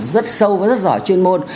rất sâu và rất giỏi chuyên môn